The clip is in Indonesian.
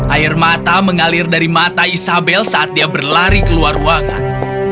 air mata mengalir dari mata isabel saat dia berlari keluar ruangan